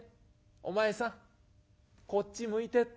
お前さんこっち向いてって。